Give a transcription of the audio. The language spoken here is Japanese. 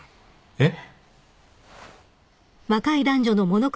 えっ？